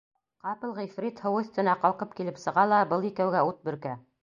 Ҡапыл ғифрит һыу өҫтөнә ҡалҡып килеп сыға ла был икәүгә ут бөркә.